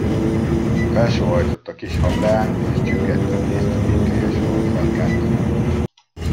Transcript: Felsóhajtott a kis hableány, és csüggedten nézte pikkelyes halfarkát.